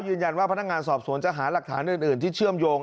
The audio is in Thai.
ยืนยันว่าพนักงานสอบสวนจะหาหลักฐานอื่นที่เชื่อมโยง